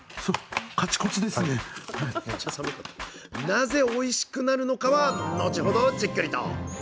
なぜおいしくなるのかは後ほどじっくりと。